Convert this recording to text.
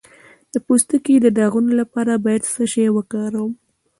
د پوستکي د داغونو لپاره باید څه شی وکاروم؟